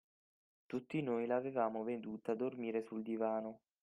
Tutti noi l'avevamo veduta dormire sul divano!